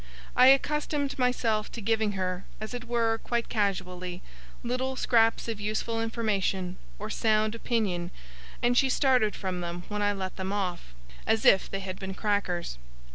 I accustomed myself to giving her, as it were quite casually, little scraps of useful information, or sound opinion and she started from them when I let them off, as if they had been crackers.